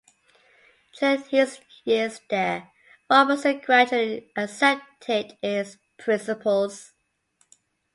During his years there, Robinson gradually accepted its principles.